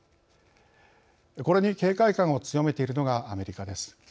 これに警戒感を強めているのがアメリカです。